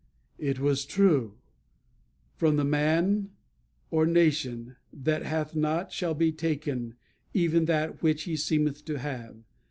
It was true. From the man, or nation, "that hath not," shall be taken "even that which he seemeth to have."